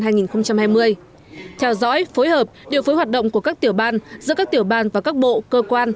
theo dõi phối hợp điều phối hoạt động của các tiểu ban giữa các tiểu ban và các bộ cơ quan